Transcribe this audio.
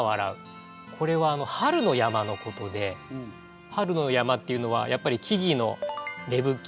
これは春の山のことで春の山っていうのはやっぱり木々の芽吹き